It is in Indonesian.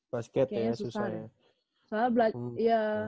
basket ya susah ya